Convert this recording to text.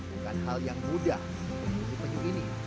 bukan hal yang mudah untuk di penyu ini